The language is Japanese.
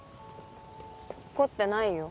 怒ってないよ。